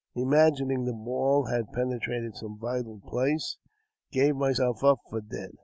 Imagining the ball had penetrated some vital place, I gave myself up for dead.